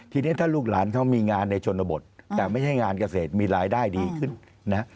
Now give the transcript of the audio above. ทีนี้ถ้าลูกหลานเขามีงานในชนบทแต่ไม่ใช่งานเกษตรมีรายได้ดีขึ้นนะฮะ